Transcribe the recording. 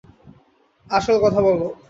আসল কথা বলো।